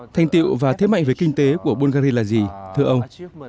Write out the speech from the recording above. thanh tiệu và thế mạnh về kinh tế của bulgari là gì thưa ông